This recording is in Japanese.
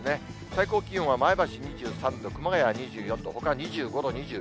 最高気温は前橋２３度、熊谷２４度、ほか２５度、２６度。